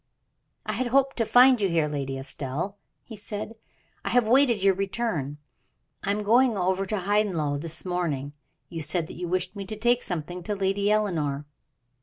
"I had hoped to find you here, Lady Estelle," he said. "I have waited your return. I am going over to Hyndlow this morning, and you said that you wished me to take something to Lady Eleanor."